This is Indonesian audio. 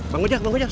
bang gojak bang gojak